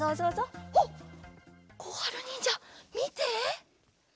あっこはるにんじゃみて！